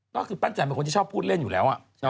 ก็คือปั้นจันทร์เป็นคนที่ชอบพูดเล่นอยู่แล้ว